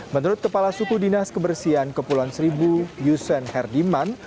menurut kepala suku dinas kebersihan kepulauan seribu yusen herdiman